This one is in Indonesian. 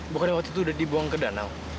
bukannya waktu itu udah dibuang ke danau